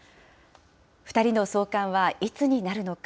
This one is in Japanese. ２人の送還はいつになるのか。